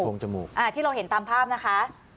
งจมูกที่เราเห็นตามภาพนะคะ